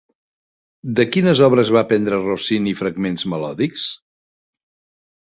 De quines obres va prendre Rossini fragments melòdics?